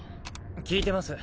聞いてます。